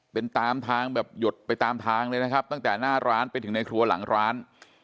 เป็นตามทางแบบหยดไปตามทางเลยนะครับตั้งแต่หน้าร้านไปถึงในครัวหลังร้าน